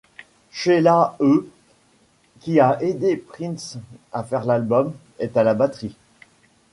Sheila.E, qui a aidé Prince à faire l'album, est à la batterie.